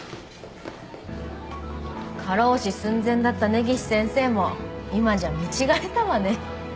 過労死寸前だった根岸先生も今じゃ見違えたわね。